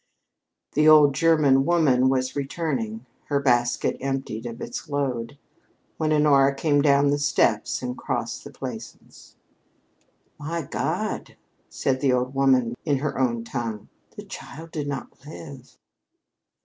The old German woman was returning, her basket emptied of its load, when Honora came down the steps and crossed the Plaisance. "My God," said the old woman in her own tongue, "the child did not live!"